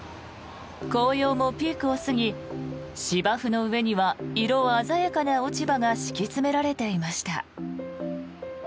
紅葉もピークを過ぎ芝生の上には色鮮やかな落ち葉が敷き詰められていました。